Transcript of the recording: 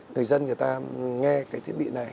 người dân người ta nghe cái thiết bị này